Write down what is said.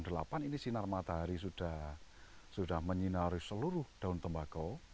ini sinar matahari sudah menyinari seluruh daun tembakau